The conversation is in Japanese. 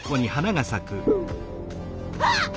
あっ！